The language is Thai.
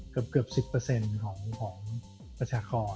เกือบ๑๐ของประชากร